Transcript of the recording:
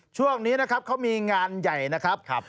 ช่วงนี้นะครับเขามีงานใหญ่นะครับ